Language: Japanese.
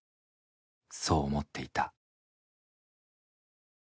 そう思っていた。